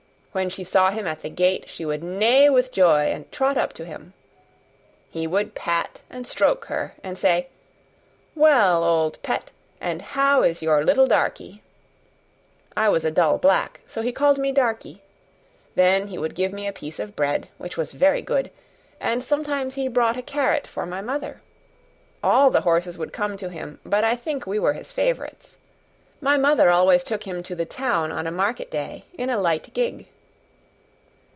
When she saw him at the gate she would neigh with joy, and trot up to him. He would pat and stroke her and say, "Well, old Pet, and how is your little Darkie?" I was a dull black, so he called me Darkie; then he would give me a piece of bread, which was very good, and sometimes he brought a carrot for my mother. All the horses would come to him, but I think we were his favorites. My mother always took him to the town on a market day in a light gig.